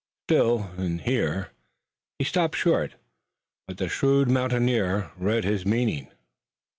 Still in here " He stopped short, but the shrewd mountaineer read his meaning.